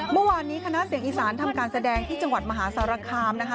เมื่อวานนี้คณะเสียงอีสานทำการแสดงที่จังหวัดมหาสารคามนะคะ